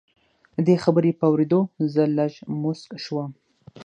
د دې خبرې په اورېدو زه لږ موسک شوم